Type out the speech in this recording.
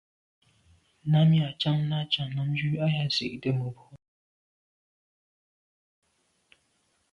Námí à’cág ná cǎŋ ndǎmjú ā yā zí’də́ mə̀bró.